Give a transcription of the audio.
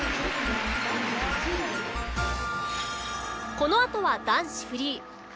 このあとは男子フリー。